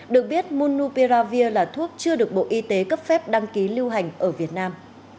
được biết munupiravir là thuốc chưa được bộ y tế cấp phép đăng ký lưu hành ở việt nam